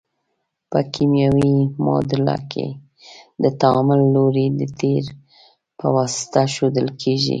په کیمیاوي معادله کې د تعامل لوری د تیر په واسطه ښودل کیږي.